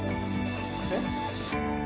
えっ？